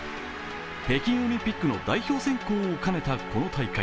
北京オリンピックの代表選考を兼ねたこの大会。